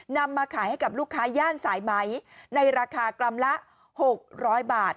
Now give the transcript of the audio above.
นำมาขายให้กับลูกค้าย่านสายไหมในราคากรัมละ๖๐๐บาท